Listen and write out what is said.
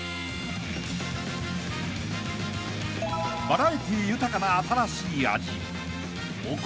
［バラエティー豊かな新しい味］